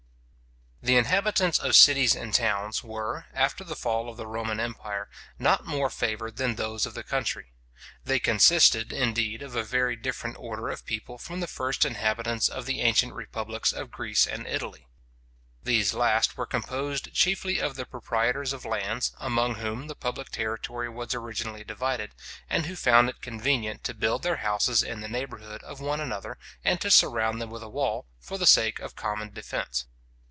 The inhabitants of cities and towns were, after the fall of the Roman empire, not more favoured than those of the country. They consisted, indeed, of a very different order of people from the first inhabitants of the ancient republics of Greece and Italy. These last were composed chiefly of the proprietors of lands, among whom the public territory was originally divided, and who found it convenient to build their houses in the neighbourhood of one another, and to surround them with a wall, for the sake of common defence.